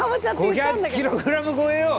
５００ｋｇ超えよ。